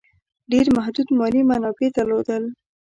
ډېر محدود مالي منابع درلودل.